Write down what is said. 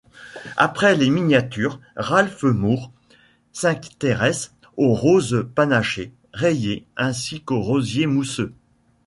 Après les miniatures, Ralph Moore s'intéresse aux roses panachées, rayées, ainsi qu'aux rosiers mousseux.